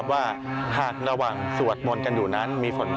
ว่าหากระหว่างสวดมนต์กันอยู่นั้นมีฝน